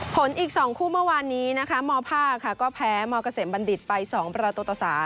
อีก๒คู่เมื่อวานนี้นะคะมผ้าค่ะก็แพ้มเกษมบัณฑิตไป๒ประตูต่อ๓